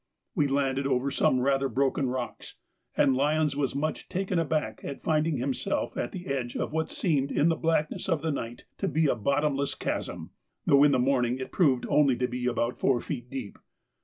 We landed over some rather broken rocks, and Lyons was much taken aback at finding himself at the edge of what seemed in the blackness of the night to be a bottomless chasm, though in the morning it proved to be only about four feet deep.